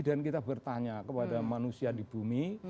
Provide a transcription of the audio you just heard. dan kita bertanya kepada manusia di bumi